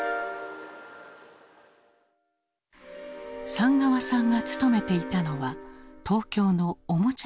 寒川さんが勤めていたのは東京のおもちゃメーカー。